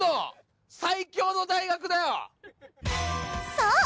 そう！